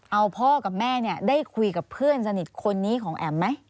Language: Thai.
เอาพ่อกับแม่เนี่ยได้คุยกับเพื่อนสนิทคนนี้ของแอ๋มไหม